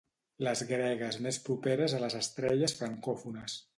Les gregues més properes a les estrelles francòfones.